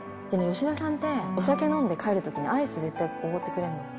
吉田さんって、お酒飲んで帰るときに、アイス絶対、おごってくれるんですよ。